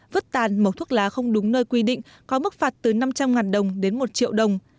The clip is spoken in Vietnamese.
vứt tàn màu thuốc lá không đúng nơi quy định có mức phạt từ năm trăm linh đồng đến một triệu đồng